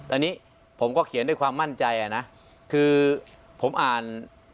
อันนี้ผมก็เขียนด้วยความมั่นใจอ่ะนะคือผมอ่าน